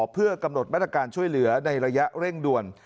เพื่อกำหนดมาตรการช่วยเหลือในระยะเร่งด่วน